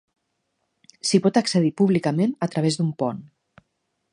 S'hi pot accedir públicament a través d'un pont.